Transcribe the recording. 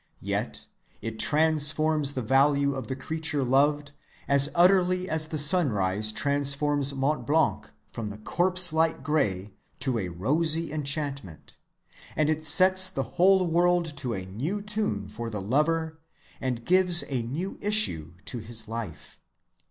Yet it transforms the value of the creature loved as utterly as the sunrise transforms Mont Blanc from a corpse‐like gray to a rosy enchantment; and it sets the whole world to a new tune for the lover and gives a new issue to his life.